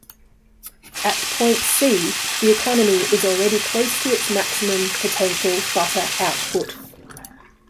At point "C", the economy is already close to its maximum potential butter output.